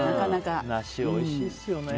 梨おいしいですよね。